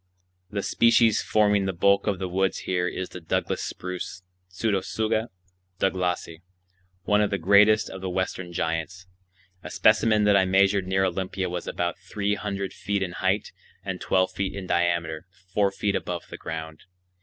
The species forming the bulk of the woods here is the Douglas spruce (Pseudotsuga douglasii), one of the greatest of the western giants. A specimen that I measured near Olympia was about three hundred feet in height and twelve feet in diameter four feet above the ground.